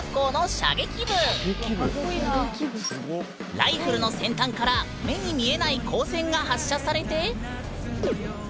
ライフルの先端から目に見えない光線が発射されて。